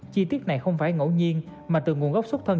chi tiết này không phải ngẫu nhiên mà từ nguồn gốc xuất thân